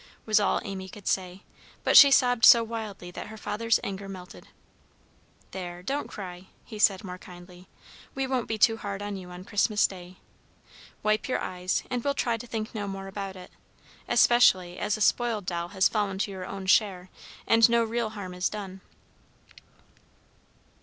was all Amy could say, but she sobbed so wildly that her father's anger melted. "There, don't cry," he said more kindly; "we won't be too hard on you on Christmas Day. Wipe your eyes, and we'll try to think no more about it, especially as the spoiled doll has fallen to your own share, and no real harm is done."